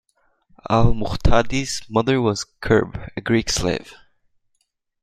Al-Muhtadi's mother was Qurb, a Greek slave.